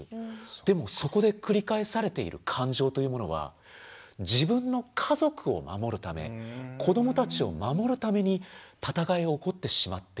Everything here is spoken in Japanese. でもそこで繰り返されている感情というものは自分の家族を守るため子どもたちを守るために戦いが起こってしまっている。